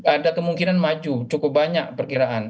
ada kemungkinan maju cukup banyak perkiraan